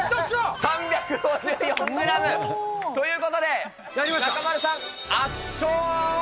３５４グラム！ということで、中丸さん、圧勝。